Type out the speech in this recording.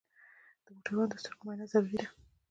د موټروان د سترګو معاینه ضروري ده.